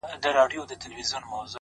دغه رنگينه او حسينه سپوږمۍ ـ